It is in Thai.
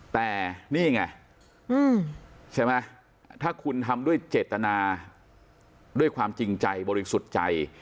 แต่นี่ไงใช่ไหมถ้าคุณทำด้วยเจตนาด้วยความจริงใจบริสุทธิ์ใจ